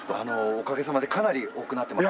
おかげさまでかなり多くなってます。